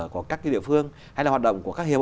của các địa phương hay là hoạt động của các hiệp hội